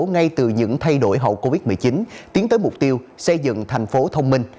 ngay từ những thay đổi hậu covid một mươi chín tiến tới mục tiêu xây dựng thành phố thông minh